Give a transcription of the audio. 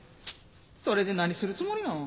それで何するつもりなん？